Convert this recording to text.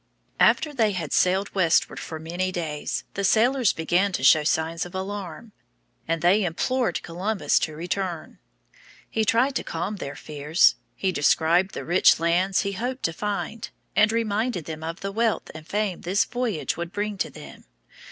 After they had sailed westward for many days, the sailors began to show signs of alarm, and they implored Columbus to return. He tried to calm their fears. He described the rich lands he hoped to find, and reminded them of the wealth and fame this voyage would bring to them.